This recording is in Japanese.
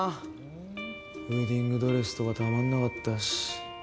ウェディングドレスとかたまんなかったし。